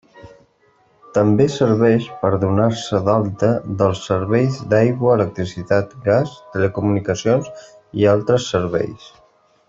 També serveix per donar-se d'alta dels serveis d'aigua, electricitat, gas, telecomunicacions i altres serveis.